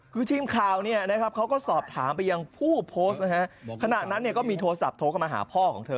คือทีมข่าวเขาก็สอบถามไปยังผู้โพสต์ขณะนั้นก็มีโทรศัพท์โทรมาหาพ่อของเธอ